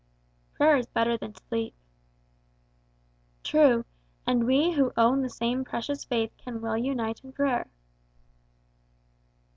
"Prayer is better than sleep." "True, and we who own the same precious faith can well unite in prayer."